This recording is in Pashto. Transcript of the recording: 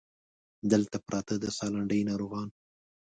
دلته پراته د سالنډۍ ناروغان